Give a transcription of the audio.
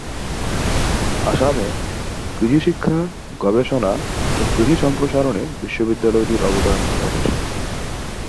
আসামে কৃষি শিক্ষা, গবেষণা ও কৃষি সম্প্রসারণে বিশ্ববিদ্যালয়টির অবদান যথেষ্ট।